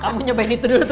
kamu nyobain itu dulu tuh